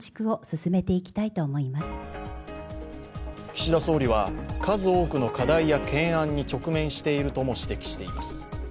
岸田総理は数多くの課題や懸案に直面しているとも指摘しています。